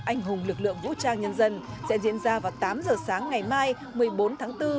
anh hùng lực lượng vũ trang nhân dân sẽ diễn ra vào tám giờ sáng ngày mai một mươi bốn tháng bốn